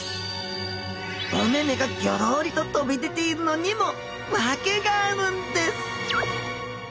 お目目がぎょろりと飛び出ているのにも訳があるんです